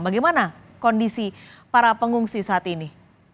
bagaimana kondisi para pengungsi saat ini